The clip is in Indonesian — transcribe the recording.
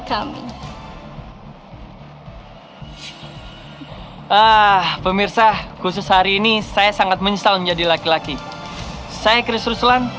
kami torpedo hai ah pemirsa khusus hari ini saya sangat menyesal menjadi laki laki saya kris rusulan